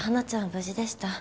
無事でした。